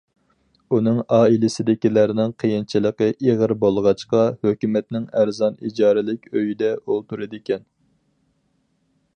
ئۇنىڭ ئائىلىسىدىكىلەرنىڭ قىيىنچىلىقى ئېغىر بولغاچقا، ھۆكۈمەتنىڭ ئەرزان ئىجارىلىك ئۆيىدە ئولتۇرىدىكەن.